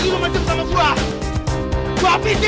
gak punya nyali